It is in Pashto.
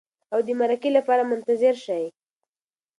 او د مرکې لپاره منتظر شئ.